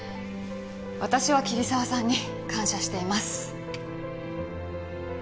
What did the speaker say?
私は桐沢さんに感謝しています。